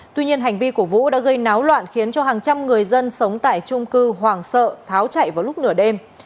tuy nhiên hành vi của vũ đã gây náo loạn khiến cho hàng trăm người dân sống tại trung cư hoàng sợ tháo chạy vào lúc nửa đêm